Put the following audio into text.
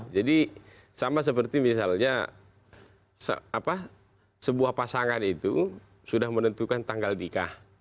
jadi sama seperti misalnya sebuah pasangan itu sudah menentukan tanggal nikah